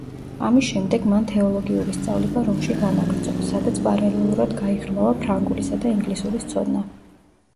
ამის შემდეგ, მან თეოლოგიური სწავლება რომში განაგრძო, სადაც პარალელურად გაიღრმავა ფრანგულისა და ინგლისურის ცოდნა.